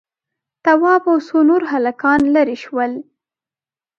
تواب او څو نور هلکان ليرې شول.